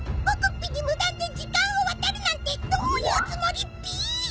僕っぴに無断で時間をわたるなんてどういうつもりっぴ？